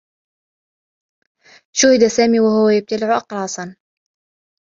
شوهِد سامي و هو يبتلع أقراصا.